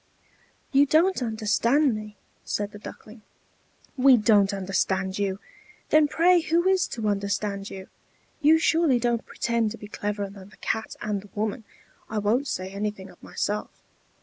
"You don't understand me," said the Duckling. "We don't understand you! Then pray who is to understand you? You surely don't pretend to be cleverer than the Cat and the woman I won't say anything of myself.